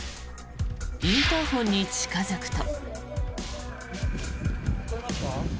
インターホンに近付くと。